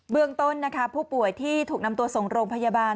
เรื่องต้นนะคะผู้ป่วยที่ถูกนำตัวส่งโรงพยาบาล